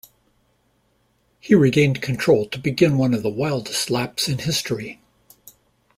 He regained control to begin one of the wildest laps in history.